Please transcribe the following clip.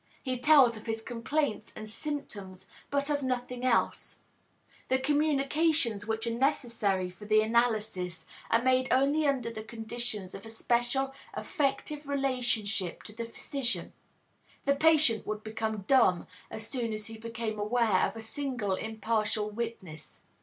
He tells of his complaints and symptoms, but of nothing else. The communications which are necessary for the analysis are made only under the conditions of a special affective relationship to the physician; the patient would become dumb as soon as he became aware of a single impartial witness.